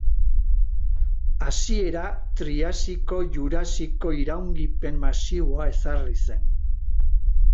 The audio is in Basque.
Hasiera Triasiko-Jurasiko iraungipen masiboa ezarri zen.